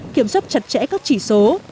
kiểm soát chặt chẽ các chỉ số